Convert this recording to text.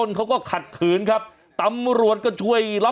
ช่วยเจียมช่วยเจียม